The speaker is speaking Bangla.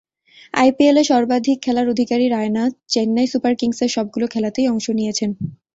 আইপিএলে সর্বাধিক খেলার অধিকারী রায়না চেন্নাই সুপার কিংসের সবগুলো খেলাতেই অংশ নিয়েছেন।